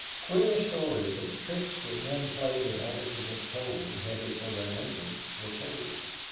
Queer stories of the tricks that men played in order to get coal, headed for their neighbors, were told.